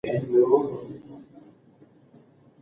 که تاسي سیاه دانه وخورئ نو ستاسو حافظه به ډېره تېزه او پیاوړې شي.